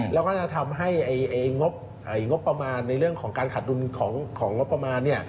แล้วก็จะทำให้งบประมาณในเรื่องของการขาดดุลของงบประมาณ